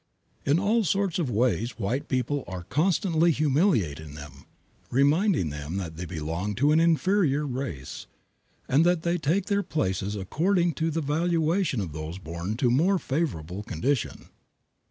In all sorts of ways white people are constantly humiliating them, reminding them that they belong to an inferior race, and they take their places according to the valuation of those born to more favorable conditions.